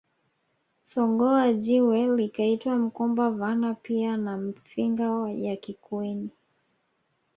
Songoa jiwe likaitwa mkumba vana pia na Mfinga ya Kikweni